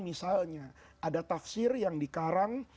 misalnya ada tafsir yang dikarang